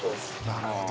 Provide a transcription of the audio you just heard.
なるほど。